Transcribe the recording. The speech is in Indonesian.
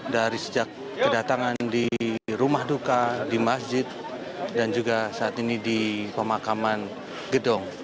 dari sejak kedatangan di rumah duka di masjid dan juga saat ini di pemakaman gedong